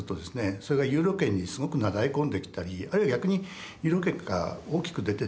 それがユーロ圏にすごくなだれ込んできたりあるいは逆にユーロ圏から大きく出てったりと。